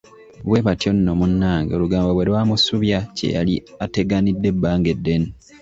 Bwe batyo nno munnnange olugambo bwe lwamusubya kye yali ateganidde ebbanga eddene.